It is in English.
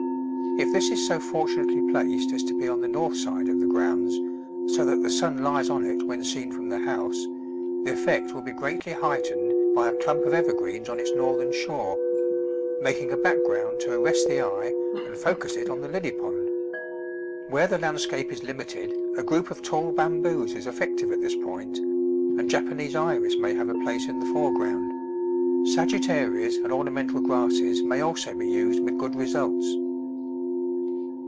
If this is so fortunately placed as to be on the north side of the grounds, so that the sun lies on it when seen from the house, the effect will be greatly heightened by a clump of ever greens on its northern shore, making a background to arrest the eye and focus it on the lily pond. Where the landscape is limited, a group of tall Bamboos is effective at this point, and Japanese Iris may have a place in the foreground; Sagittarias and ornamental grasses may also be used with good results.